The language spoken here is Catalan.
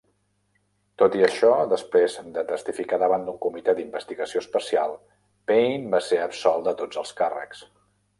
Tot i això, després de testificar davant d'un comitè d'investigació especial, Payne va ser absolt de tots els càrrecs.